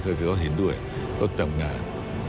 เขาก็เห็นด้วยก็แต่งงาน